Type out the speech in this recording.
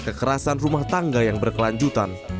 kekerasan rumah tangga yang berkelanjutan